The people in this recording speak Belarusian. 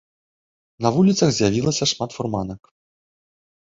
На вуліцах з'явілася шмат фурманак.